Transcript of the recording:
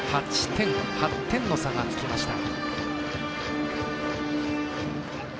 ８点の差がつきました。